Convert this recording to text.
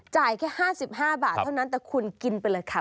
แค่๕๕บาทเท่านั้นแต่คุณกินไปเลยค่ะ